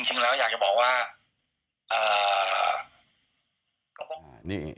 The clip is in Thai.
จริงแล้วอยากจะบอกว่านี่